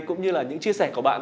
cũng như là những chia sẻ của bạn